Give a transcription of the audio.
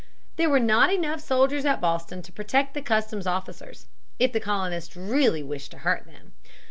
There were not enough soldiers at Boston to protect the customs officers if the colonists really wished to hurt them.